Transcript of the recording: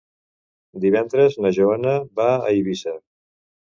Divendres na Joana va a Eivissa.